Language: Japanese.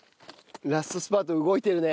ラストスパート動いてるね。